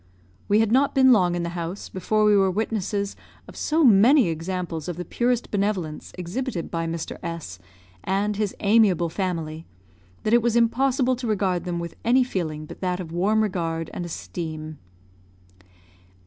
We had not been long in the house before we were witnesses of so many examples of the purest benevolence, exhibited by Mr. S and his amiable family, that it was impossible to regard them with any feeling but that of warm regard and esteem.